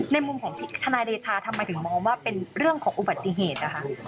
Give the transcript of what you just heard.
มุมของที่ทนายเดชาทำไมถึงมองว่าเป็นเรื่องของอุบัติเหตุนะคะ